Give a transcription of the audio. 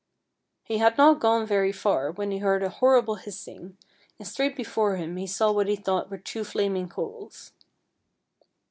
He had not gone very far when he heard a horrible hissing, and straight before him he saw what he thought were two flaming coals.